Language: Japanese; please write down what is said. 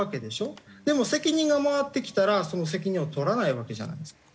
でも責任が回ってきたらその責任を取らないわけじゃないですか。